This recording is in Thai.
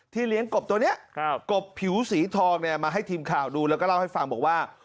เลี้ยงกบตัวนี้กบผิวสีทองมาให้ทีมข่าวดูแล้วก็เล่าให้ฟังบอกว่า